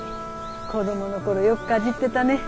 子どもの頃よくかじってたね。